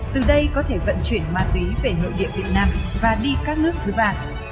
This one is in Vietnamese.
từ đây có thể vận chuyển ma túy về nội địa việt nam và đi các nước thứ ba